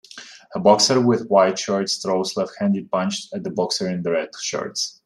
A boxer with white shorts throws a left handed punch at the boxer in the red shorts.